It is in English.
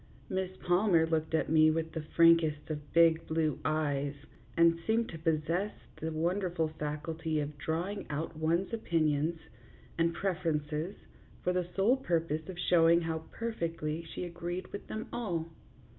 Miss Palmer looked at me with the frankest of big blue eyes, and seemed to possess the wonderful faculty of drawing out one's opinions and preferences for the sole purpose of showing how perfectly she agreed with them all.